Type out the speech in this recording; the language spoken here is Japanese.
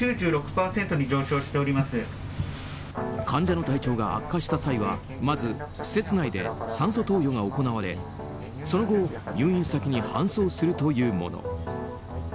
患者の体調が悪化した際はまず施設内で酸素投与が行われその後、入院先に搬送するというもの。